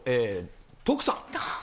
徳さん。